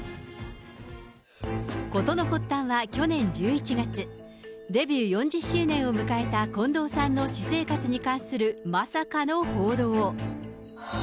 事の発端は去年１１月、デビュー４０周年を迎えた近藤さんの私生活に関するまさかの報道。